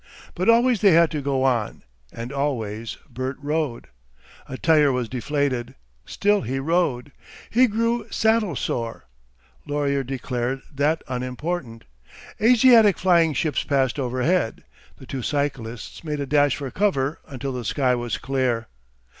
But always they had to go on, and always Bert rode. A tyre was deflated. Still he rode. He grew saddle sore. Laurier declared that unimportant. Asiatic flying ships passed overhead, the two cyclists made a dash for cover until the sky was clear.